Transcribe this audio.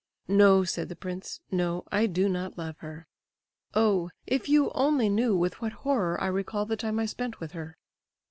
"No," said the prince, "no, I do not love her. Oh! if you only knew with what horror I recall the time I spent with her!"